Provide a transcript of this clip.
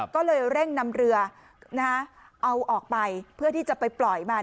ก็เลยเร่งนำเรือเอาออกไปเพื่อที่จะไปปล่อยมัน